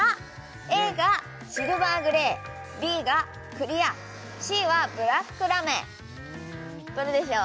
ＡがシルバーグレーＢがクリアＣはブラックラメどれでしょう？